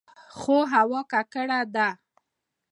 خو هوا ککړه ده.